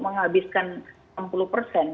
menghabiskan enam puluh persen